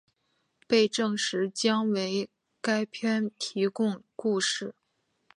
被证实将为该片提供故事。